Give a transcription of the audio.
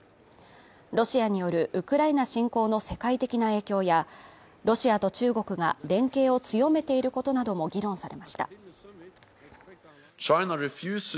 ロシアによるウクライナ侵攻の世界的な影響やロシアと中国が連携を強めていることなども議論されました。